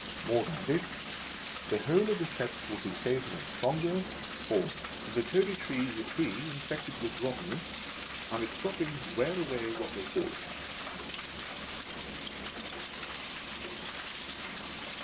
More than this, the whole of the steps would be safer and stronger; for, the Toady Tree is a tree infected with rot tenness, and its droppings wear away what they fall upon.